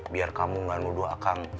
biar kamu gak nuduh akang